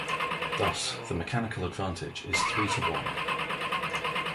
Thus, the mechanical advantage is three-to-one.